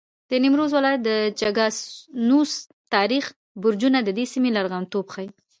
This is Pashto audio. د نیمروز ولایت د چګانوس تاریخي برجونه د دې سیمې لرغونتوب ښیي.